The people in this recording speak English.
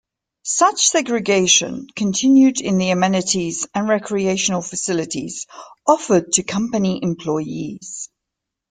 Such segregation continued in the amenities and recreational facilities offered to company employees.